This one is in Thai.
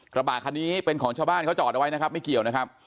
กระบะคันนี้เป็นของชาวบ้านเขาจอดเอาไว้นะครับไม่เกี่ยวนะครับ